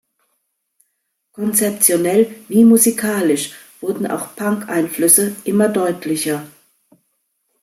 Konzeptionell wie musikalisch wurden auch Punk-Einflüsse immer deutlicher.